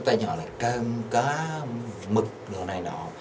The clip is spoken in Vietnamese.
cái tên họ là cơm cá mực đồ này nọ